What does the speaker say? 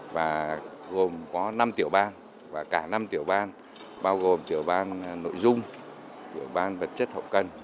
và gồm có năm tiểu bang và cả năm tiểu ban bao gồm tiểu ban nội dung tiểu ban vật chất hậu cần